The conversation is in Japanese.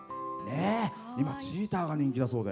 今、チーターが人気だそうで。